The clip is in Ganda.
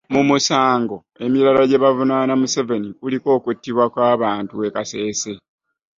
Mu musango emirala gye bavunaana Museveni kuliko okuttibwa kw'abantu e Kasese